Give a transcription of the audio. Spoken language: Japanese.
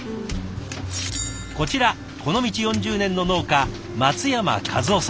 こちらこの道４０年の農家松山一男さん。